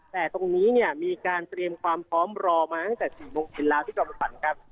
แต่ตรงนี้มีการเตรียมความพร้อมรอมาตั้งแต่๔โมงเช็ดแล้วที่กรรมฝันครับ